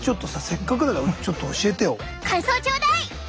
せっかくだからちょっと教えてよ。